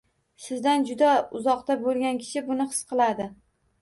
Sizdan juda uzoqda bo‘lgan kishi buni his qiladi